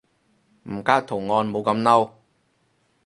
唔加圖案冇咁嬲